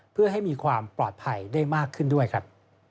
เพื่อให้มีความปลอดภัยได้มากขึ้นด้วยครับ